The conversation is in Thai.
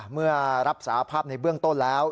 เมื่อรับสาภาพในเบื้องต้นแล้ว